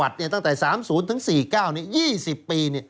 ตั้งแต่๓๐๔๙๒๐ปี